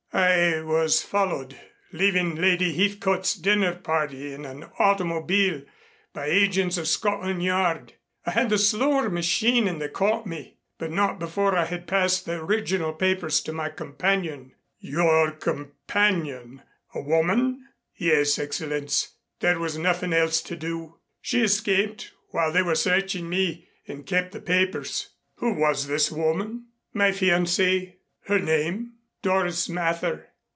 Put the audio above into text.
"I was followed, leaving Lady Heathcote's dinner party in an automobile, by agents of Scotland Yard. I had the slower machine and they caught me. But not before I had passed the original papers to my companion " "Your companion a woman?" "Yes, Excellenz, there was nothing else to do. She escaped while they were searching me and kept the papers " "Who was this woman?" "My fiancée." "Her name?" "Doris Mather."